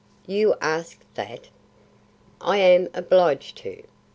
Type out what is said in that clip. "You ask that?" "I am obliged to.